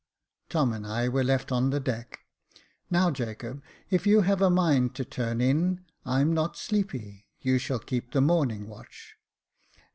'* Tom and I were left on the deck. *' Now, Jacob, if you have a mind to turn in. I'm not sleepy — you shall keep the morning watch."